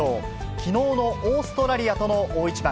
きのうのオーストラリアとの大一番。